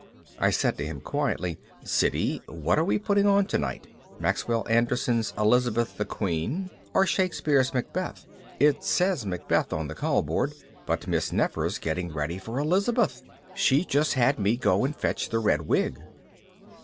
I said to him quietly, "Siddy, what are we putting on tonight? Maxwell Anderson's Elizabeth the Queen or Shakespeare's Macbeth? It says Macbeth on the callboard, but Miss Nefer's getting ready for Elizabeth. She just had me go and fetch the red wig."